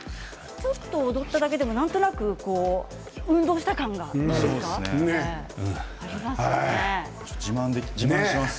ちょっと踊っただけでもなんか運動した感が自慢します。